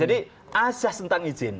jadi asas tentang izin